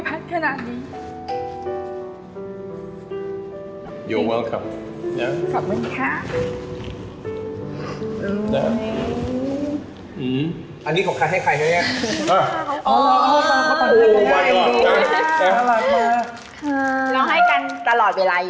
ขอบคุณจริงไม่